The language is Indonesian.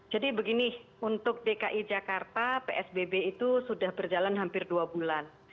jadi begini untuk dki jakarta psbb itu sudah berjalan hampir dua bulan